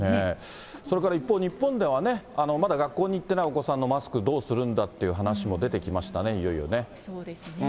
それから一方、日本ではね、まだ学校に行っていないお子さんのマスク、どうするんだっていう話も出てきましたね、いよいよね。